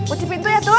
uci pintu ya tut